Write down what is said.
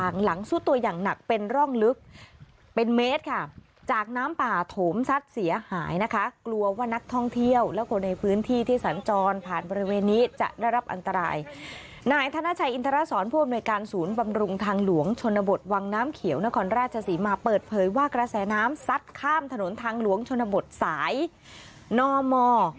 นายธนชัยอินทรสอนผู้อำนวยการศูนย์บำรุงทางหลวงชนบทวังน้ำเขียวนครราชศรีมาเปิดเผยว่ากระแสน้ำซัดข้ามถนนทางหลวงชนบทสายนม